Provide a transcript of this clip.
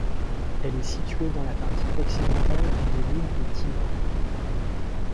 Elle est située dans la partie occidentale de l'île de Timor.